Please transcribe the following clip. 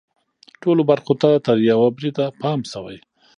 ټولو برخو ته تر یوه بریده پام شوی.